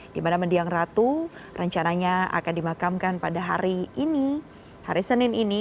di mana mendiang ratu rencananya akan dimakamkan pada hari ini hari senin ini